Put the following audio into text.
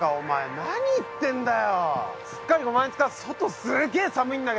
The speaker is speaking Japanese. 何言ってんだよ！